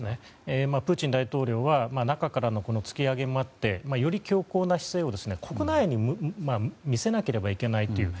プーチン大統領は中からの突き上げもあってより強硬な姿勢を国内に見せなければいけないという。